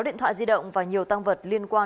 sáu điện thoại di động và nhiều tăng vật liên quan